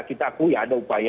kita punya ada upaya